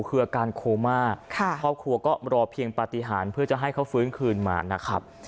คืออาการโคม่าครอบครัวก็รอเพียงปฏิหารเพื่อจะให้เขาฟื้นคืนมานะครับ